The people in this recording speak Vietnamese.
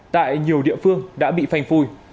tại nhiều địa phương đã bị phanh phui